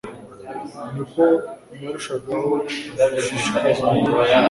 ni ko narushagaho gushishikazwa n'ibyo